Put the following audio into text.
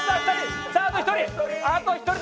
あと１人！